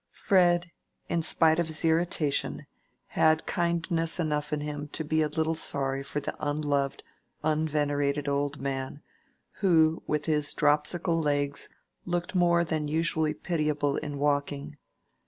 Fred, in spite of his irritation, had kindness enough in him to be a little sorry for the unloved, unvenerated old man, who with his dropsical legs looked more than usually pitiable in walking.